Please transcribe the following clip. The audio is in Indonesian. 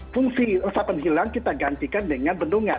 fungsi resapan hilang kita gantikan dengan bendungan